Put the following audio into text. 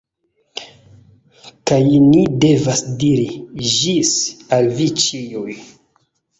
Kaj ni devas diri "Ĝis" al vi ĉiuj.